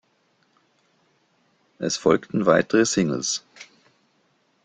Es folgten weitere Singles.